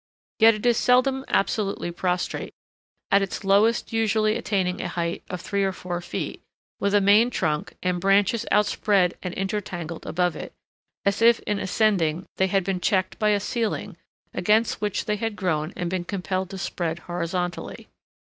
Yet it is seldom absolutely prostrate, at its lowest usually attaining a height of three or four feet, with a main trunk, and branches outspread and intertangled above it, as if in ascending they had been checked by a ceiling, against which they had grown and been compelled to spread horizontally.